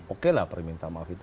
oke lah permintaan maaf itu